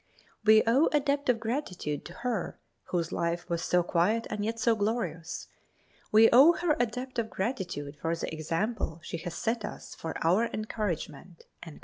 We owe a debt of gratitude to her whose life was so quiet and yet so glorious. We owe her a debt of gratitude for the example she has set us for our encouragement."